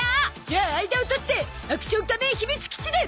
じゃあ間を取ってアクション仮面秘密基地で！